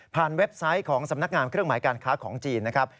เว็บไซต์ของสำนักงานเครื่องหมายการค้าของจีนนะครับ